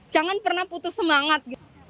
jangan pernah putus semangat